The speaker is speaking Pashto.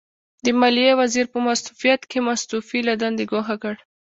د ماليې وزیر په مستوفیت کې مستوفي له دندې ګوښه کړ.